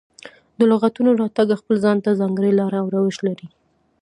د لغتونو راتګ خپل ځان ته ځانګړې لاره او روش لري.